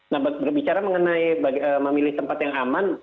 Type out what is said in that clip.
nah berbicara mengenai memilih tempat yang aman